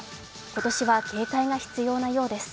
今年は警戒が必要なようです。